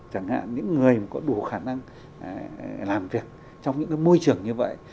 chẳng hạn những người có đủ khả năng làm việc trong những môi trường như vậy